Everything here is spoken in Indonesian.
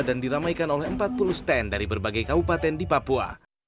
dan diramaikan oleh empat puluh stand dari berbagai kabupaten di papua